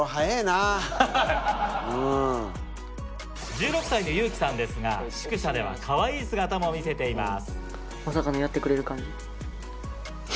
１６歳のユウキさんですが宿舎ではかわいい姿も見せています。